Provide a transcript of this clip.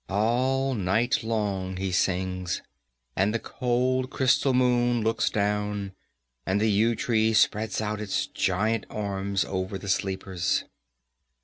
All night long he sings, and the cold crystal moon looks down, and the yew tree spreads out its giant arms over the sleepers."